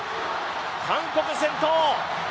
韓国先頭。